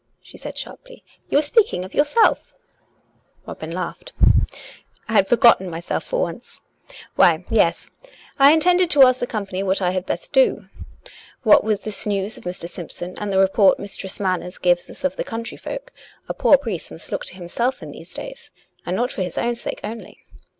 she said sharply; "you were speaking of yourself." Robin laughed. " I had forgotten myself for once !... Why, yes ; 1 COME RACK! COME ROPE! 365 intended to ask the company what I had best do. What with this news of Mr. Simpson^ and the report Mistress Manners gives us of the country folk, a poor priest must look to himself in these days; and not for his own sake only.